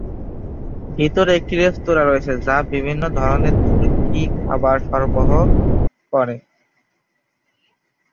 ভিতরে একটি রেস্তোঁরা রয়েছে যা বিভিন্ন ধরণের তুর্কি খাবার সরবরাহ করে।